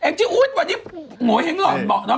แองจี้อุ๊ยวันนี้โหยแหงหล่อนเหมาะนะ